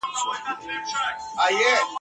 هغه زه یم چي په مینه مي فرهاد سوري کول غرونه !.